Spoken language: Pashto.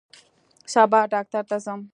سبا ډاکټر ته ځم